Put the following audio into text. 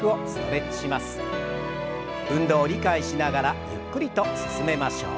運動を理解しながらゆっくりと進めましょう。